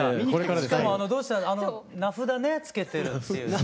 しかもどうしてあの名札ねつけてるっていうのは。